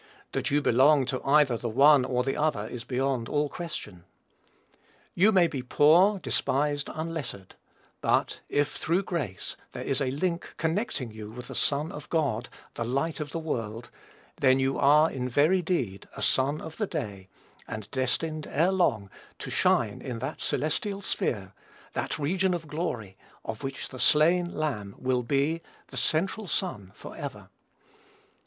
That you belong to either the one or the other is beyond all question. You may be poor, despised, unlettered; but if, through grace, there is a link connecting you with the Son of God, "the Light of the world," then you are, in very deed, a son of the day, and destined, ere long, to shine in that celestial sphere, that region of glory, of which "the slain Lamb" will be the central sun, forever.